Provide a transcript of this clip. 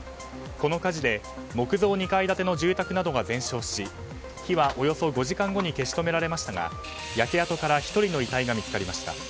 この火事で木造２階建ての住宅などが全焼し火はおよそ５時間後に消し止められましたが焼け跡から１人の遺体が見つかりました。